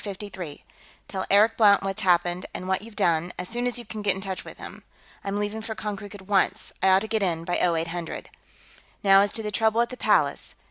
Tell Eric Blount what's happened, and what you've done, as soon as you can get in touch with him. I'm leaving for Konkrook at once; I ought to get in by 0800. "Now, as to the trouble at the Palace.